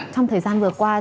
trong thời gian vừa qua